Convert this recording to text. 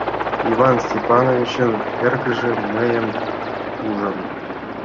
Иван Степановичын эргыже мыйым ужын.